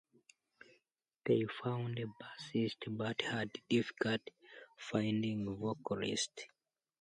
They found a bassist but had difficulty finding a vocalist.